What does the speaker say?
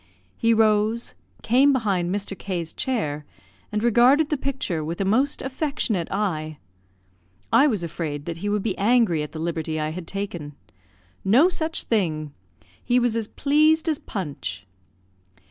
He rose, came behind Mr. K 's chair, and regarded the picture with a most affectionate eye. I was afraid that he would be angry at the liberty I had taken. No such thing! He was as pleased as Punch.